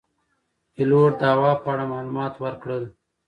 پیلوټ د هوا په اړه معلومات ورکړل.